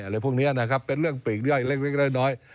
อะไรพวกนี้นะครับเป็นเรื่องปลีกย่อยเล็กน้อย